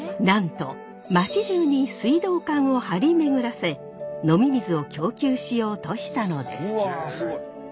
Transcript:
なんとまちじゅうに水道管を張り巡らせ飲み水を供給しようとしたのです。